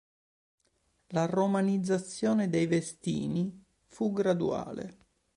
La romanizzazione dei Vestini fu graduale.